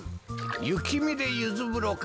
ゆきみでユズぶろか。